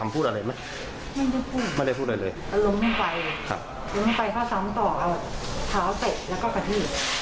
อารมณ์ไม่ไปก็ซ้ำต่อเอาเท้าเตะแล้วก็กะทิ